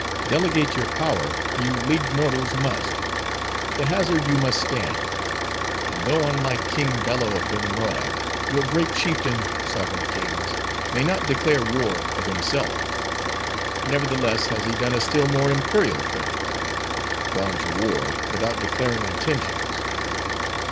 Delegate your power, you leagued mortals must. The hazard you must stand. And though unlike King Bello of Dominora, your great chieftain, sovereign kings! may not declare war of himself; nevertheless, has he done a still more imperial thing:—gone to war without declaring intentions.